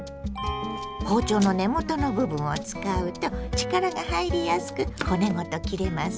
包丁の根元の部分を使うと力が入りやすく骨ごと切れますよ。